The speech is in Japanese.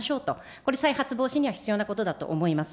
これ、再発防止には必要なことだと思います。